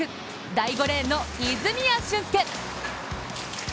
第５レーンの泉谷駿介。